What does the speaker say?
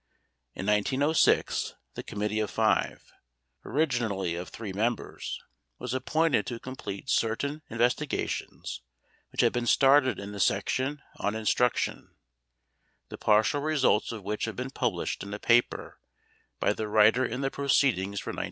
In 1906 the committee of five, originally of three members, was appointed to complete certain investigations which had been started in the section on instruction, the partial results of which had been published in a paper by the writer in the proceedings for 1905.